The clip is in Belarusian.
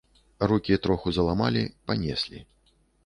Рукі троху заламалі, панеслі.